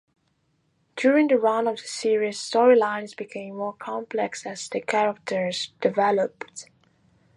During the run of the series, storylines became more complex as the characters developed.